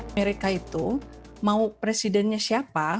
mereka itu mau presidennya siapa